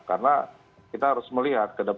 karena kita harus melihat